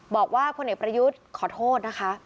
บอกว่าพลเอกประยุทธ์ขอโทษนะคะ